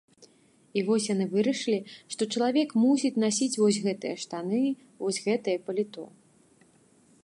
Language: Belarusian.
І вось яны вырашылі, што чалавек мусіць насіць вось гэтыя штаны, вось гэтае паліто.